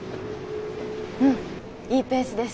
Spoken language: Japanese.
うんいいペースです